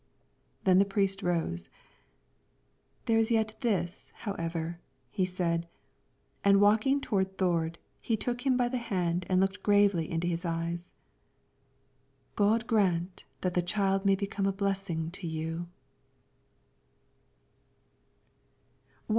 Then the priest rose. "There is yet this, however," said he, and walking toward Thord, he took him by the hand and looked gravely into his eyes: "God grant that the child may become a blessing to you!"